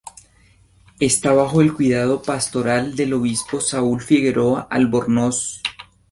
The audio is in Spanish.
Esta bajo el cuidado pastoral del obispo Saúl Figueroa Albornoz.